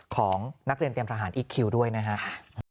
ของนักเรียนเตรียมทหารอีกคิวด้วยนะครับ